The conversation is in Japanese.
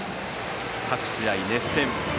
各試合、熱戦。